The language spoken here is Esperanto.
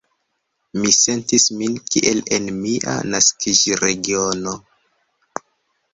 Mi sentis min kiel en mia naskiĝregiono.